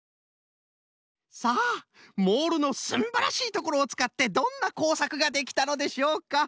さあモールのすんばらしいところをつかってどんなこうさくができたのでしょうか。